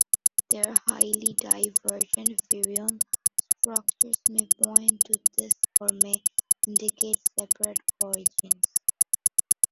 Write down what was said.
Their highly divergent virion structures may point to this or may indicate separate origins.